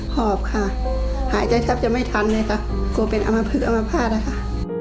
หอบค่ะหายใจแทบจะไม่ทันเลยค่ะกลัวเป็นอมพลึกอมภาษณ์นะคะ